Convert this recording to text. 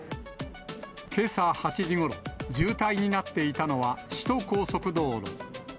けさ８時ごろ、渋滞になっていたのは、首都高速道路。